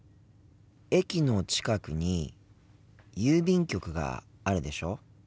駅の近くに郵便局があるでしょ。